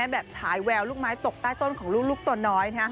ฉายแววลูกไม้ตกใต้ต้นของลูกตัวน้อย